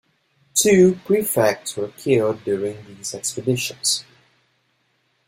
Two prefects were killed during these expeditions.